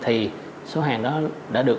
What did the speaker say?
thì số hàng đó đã được